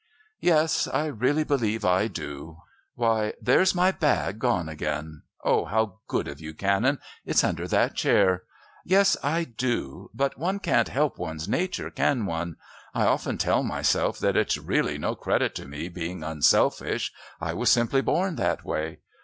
"Yes, I really believe I do. Why, there's my bag gone again! Oh, how good of you, Canon! It's under that chair. Yes. I do. But one can't help one's nature, can one? I often tell myself that it's really no credit to me being unselfish. I was simply born that way.